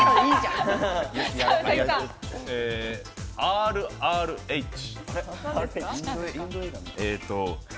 ＲＲＨ。